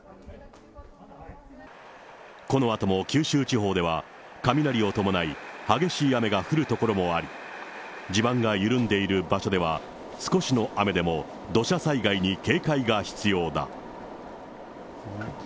このあとも九州地方では、雷を伴い激しい雨が降る所もあり、地盤が緩んでいる場所では、少しの雨でも土砂災害に警戒が必要だ。